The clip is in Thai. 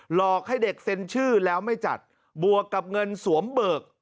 หลอกให้เด็กเซ็นชื่อแล้วไม่จัดบวกกับเงินสวมเบิก